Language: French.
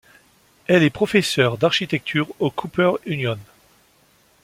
Elle est professeur d'architecture au Cooper Union.